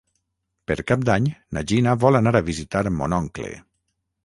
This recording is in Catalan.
Per Cap d'Any na Gina vol anar a visitar mon oncle.